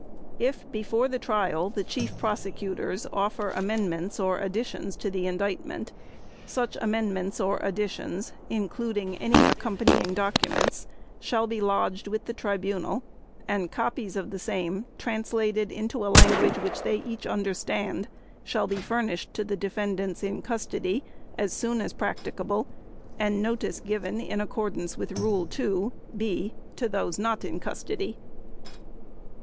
_ If, before the trial, the Chief Prosecutors offer amendments or additions to the Indictment, such amendments or additions, including any accompanying documents shall be lodged with the Tribunal and copies of the same, translated into a language which they each understand, shall be furnished to the defendants in custody as soon as practicable and notice given in accordance with Rule 2 (b) to those not in custody.